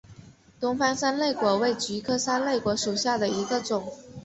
东北三肋果为菊科三肋果属下的一个种。